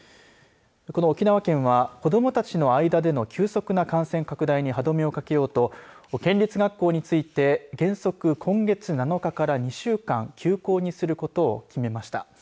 この沖縄県は子どもたちの間での急速な感染拡大に歯止めをかけようと、県立学校について原則、今月７日から２週間休校にすることを決めました。